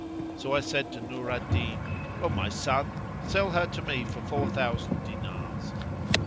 So I said to Nur al Din, 'O my son, sell her to me for four thousand dinars.'